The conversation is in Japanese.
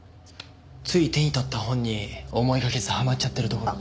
つい手に取った本に思いがけずはまっちゃってるところ。